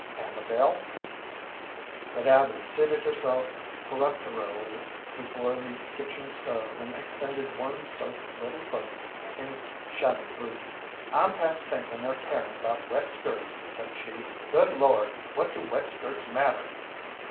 Amabel " But Abby seated herself peremptorily before the kitchen stove and extended one soaked little foot in its shabby boot. "I'm past thinking or caring about wet skirts," said she. "Good Lord, what do wet skirts matter?